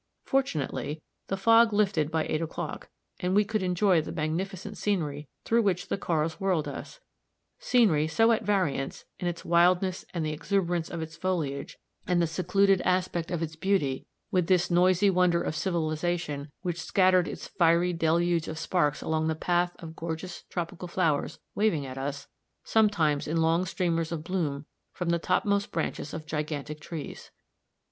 Fortunately, the fog lifted by eight o'clock, and we could enjoy the magnificent scenery through which the cars whirled us scenery so at variance, in its wildness and the exuberance of its foliage, and the secluded aspect of its beauty, with this noisy wonder of civilization which scattered its fiery deluge of sparks along the path of gorgeous tropical flowers waving at us, sometimes, in long streamers of bloom from the topmost branches of gigantic trees.